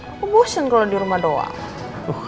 aku bosen kalau di rumah doang